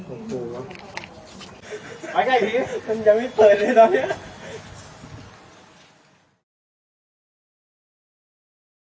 โปรดติดตามตอนต่อไป